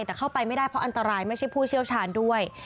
แต่เข้าไปไม่ได้เพราะอันตรายไม่ใช่ผู้เชี่ยวชาญด้วย